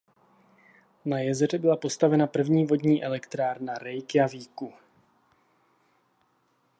Na jezeře byla postavena první vodní elektrárna Reykjavíku.